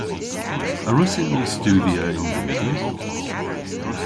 A wrussyn ni studhya yn Loundres?